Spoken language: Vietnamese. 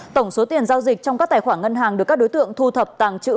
tổng số tiền giao dịch trong các tài khoản ngân hàng được các đối tượng thu thập tàng trữ